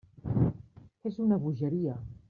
És una bogeria.